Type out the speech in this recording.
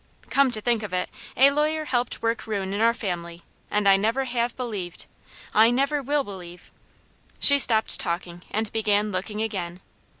Come to thing of it, a lawyer helped work ruin in our family, and I never have believed, I never will believe " She stopped talking and began looking again.